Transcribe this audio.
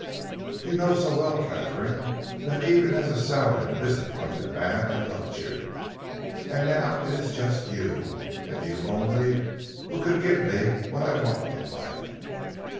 You know so well, Katharine, that even as a soured and disappointed man I loved you, and now it is just you, and you only, who could give me what I want in life."